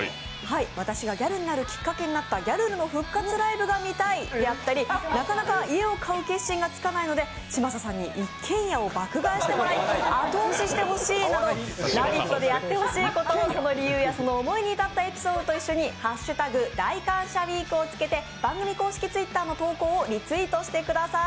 私がギャルになるきっかけになったギャルルの復活ライブが見たい、なかなか家を買う決心がつかないので、嶋佐さんに一軒家を爆買いしてもらい後押ししてもらいたいなど「ラヴィット！」でやってほしいことを、その理由やその思いに至ったエピソードと一緒に、「＃大感謝ウィーク」を付けて番組公式Ｔｗｉｔｔｅｒの投稿をリツイートしてください。